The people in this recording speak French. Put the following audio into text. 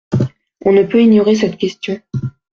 On ne peut ignorer cette question.